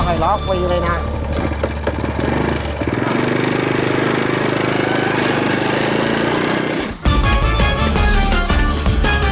กลับมาไฟล็อคไว้เลยนะ